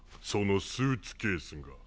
そのスーツケースが。